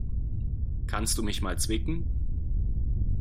Kannst du mich mal zwicken?